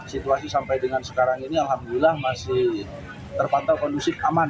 situasi sampai dengan sekarang ini alhamdulillah masih terpantau kondusif aman